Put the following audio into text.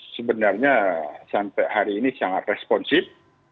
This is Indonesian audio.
sebenarnya sampai hari ini sangat responsif